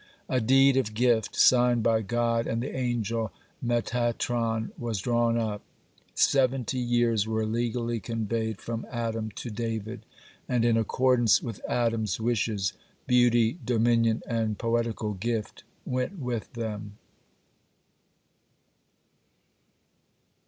A deed of gift, signed by God and the angel Metatron, was drawn up. Seventy years were legally conveyed from Adam to David, and in accordance with Adam's wishes, beauty, dominion, and poetical gift (12) went with them.